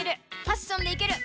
パッションでいける。